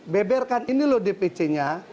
beberkan ini loh dpc nya